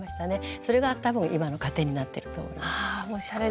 それが多分今の糧になってると思います。